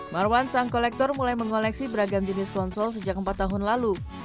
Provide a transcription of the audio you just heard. marwan sang kolektor mulai mengoleksi beragam jenis konsol sejak empat tahun lalu